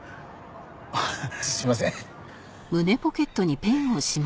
あっすいません。